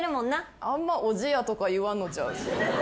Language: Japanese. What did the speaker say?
あんま「おじや」とか言わんのちゃう？